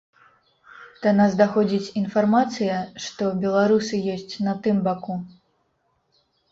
Да нас даходзіць інфармацыя, што беларусы ёсць на тым баку.